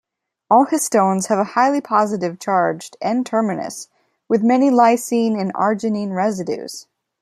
All histones have a highly positively charged N-terminus with many lysine and arginine residues.